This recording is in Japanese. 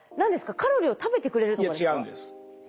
カロリーを食べてくれるとかですか？